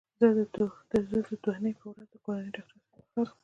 زه د دونۍ په ورځ د کورني ډاکټر سره وخت لرم